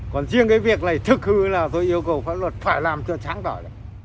còn riêng cái việc này thức hư là tôi yêu cầu pháp luật phải làm cho sáng tỏa